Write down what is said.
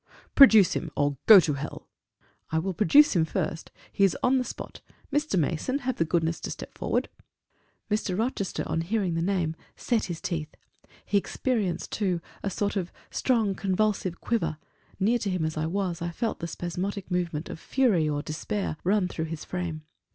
"Produce him or go to hell!" "I will produce him first he is on the spot: Mr. Mason, have the goodness to step forward." Mr. Rochester, on hearing the name, set his teeth: he experienced, too, a sort of strong convulsive quiver; near to him as I was, I felt the spasmodic movement of fury or despair run through his frame.